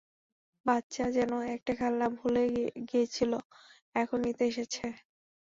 বাচ্চা যেন একটা খেলনা, ভুলে গিয়েছিলো, এখন নিতে এসেছে।